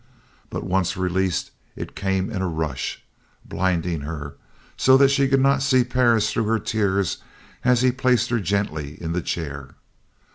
But once released it came in a rush, blinding her, so that she could not see Perris through her tears as he placed her gently in the chair.